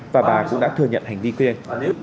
và bà cũng đã thừa nhận hành vi khuyên